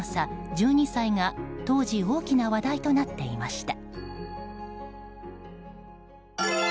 １２歳が当時大きな話題となっていました。